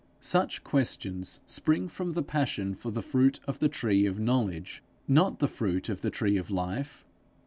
Such questions spring from the passion for the fruit of the tree of knowledge, not the fruit of the tree of life.